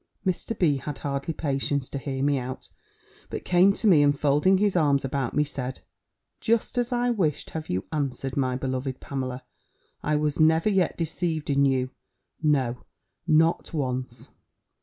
Mr. B. had hardly patience to hear me out, but came to me and folding his arms about me, said, "Just as I wished, have you answered, my beloved Pamela; I was never yet deceived in you; no, not once."